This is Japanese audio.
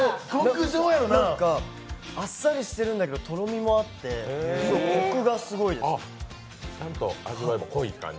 あっさりしてるんだけど、とろみもあって、味わいも濃い感じ？